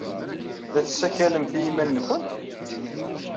La tessakalemt i yiman-nwent?